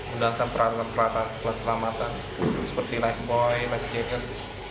undang undang peraturan peraturan kelas selamatan seperti lightboy lightjagged